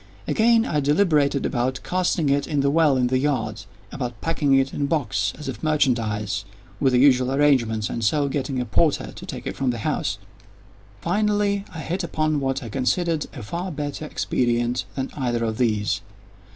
Again, I deliberated about casting it in the well in the yard—about packing it in a box, as if merchandise, with the usual arrangements, and so getting a porter to take it from the house. Finally I hit upon what I considered a far better expedient than either of these.